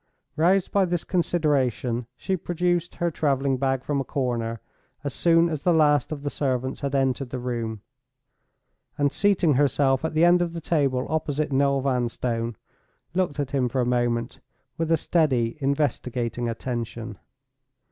Roused by this consideration, she produced her traveling bag from a corner, as soon as the last of the servants had entered the room; and seating herself at the end of the table opposite Noel Vanstone, looked at him for a moment, with a steady, investigating attention.